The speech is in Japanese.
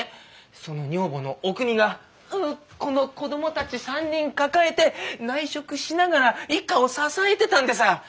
その女房のおくにがこの子どもたち３人抱えて内職しながら一家を支えてたんでさ。